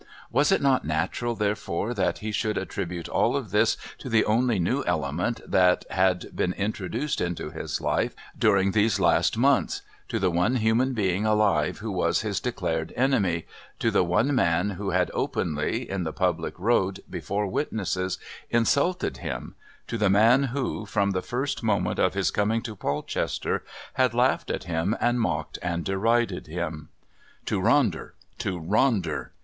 Was it not natural, therefore, that he should attribute all of this to the only new element that had been introduced into his life during these last months, to the one human being alive who was his declared enemy, to the one man who had openly, in the public road, before witnesses, insulted him, to the man who, from the first moment of his coming to Polchester, had laughed at him and mocked and derided him? To Ronder! To Ronder!